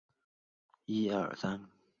窄瓣毛茛为毛茛科毛茛属下的一个种。